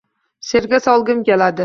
She’rga solgim keladi.